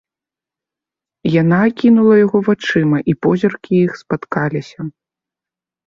Яна акінула яго вачыма, і позіркі іх спаткаліся.